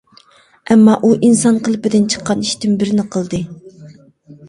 ئەمما ئۇ ئىنسان قېلىپىدىن چىققان ئىشتىن بىرنى قىلدى.